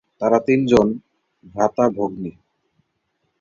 তাঁরা তিনজন ভ্রাতা-ভগ্নী।